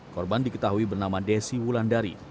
korban diketahui bernama desi wulandari